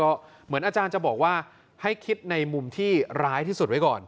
ก็เหมือนอาจารย์จะบอกว่าให้คิดในมุมที่ร้ายที่สุดไว้ก่อน